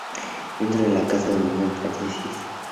Y dentro de la caza menor las perdices.